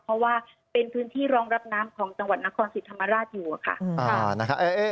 เพราะว่าเป็นพื้นที่รองรับน้ำของจังหวัดนครศรีธรรมราชอยู่ค่ะ